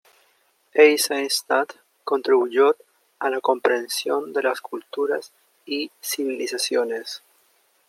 Eisenstadt contribuyó a la comprensión de las culturas y civilizaciones.